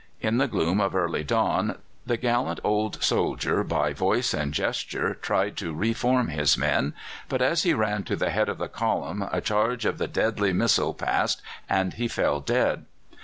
In the gloom of early dawn the gallant old soldier by voice and gesture tried to reform his men, but as he ran to the head of the column a charge of the deadly missle passed, and he fell dead.